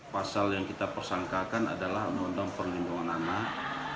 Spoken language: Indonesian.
pasal yang kita persangkakan adalah undang undang perlindungan anak